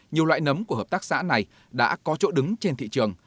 nhiều loại nấm của hợp tác xã này đã có chỗ đứng trên thị trường